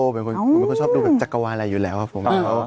เป็นคนชอบดูแบบจักรวาลอะไรอยู่แล้วครับผม